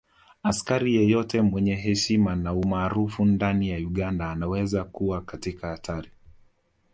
Askari yeyote mwenye heshima na umaarufu ndani ya Uganda anaweza kuwa katika hatari